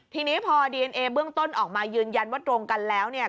ทีนี้พอดีเอนเอเบื้องต้นออกมายืนยันว่าตรงกันแล้วเนี่ย